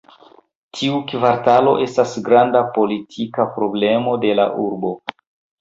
Tiu kvartalo estas granda politika problemo de la urbo.